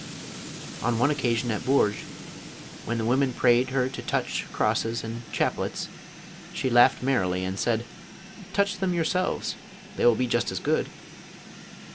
On one occasion at Bourges, when the women prayed her to touch crosses and chap lets, she laughed merrily, and said, " Touch them your selves, they will be just as good."